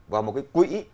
vào một cái quỹ